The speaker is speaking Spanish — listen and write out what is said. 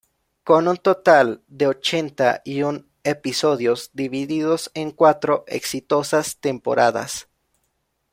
Con un total de ochenta y un episodios divididos en cuatro exitosas temporadas.